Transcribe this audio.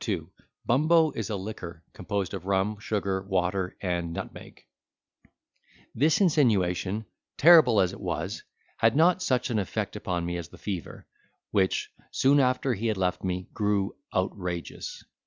(2)bumbo is a liquor composed of rum, sugar, water, and nutmeg This insinuation, terrible as it was, had not such an effect upon me as the fever, which, soon after he had left me, grew outrageous.